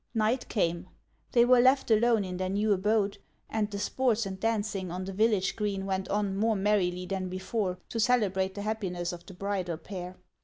Night came ; they were left alone in their new abode, and the sports and dancing on the village green went on more merrily than before, to celebrate the happiness of the bridal pair.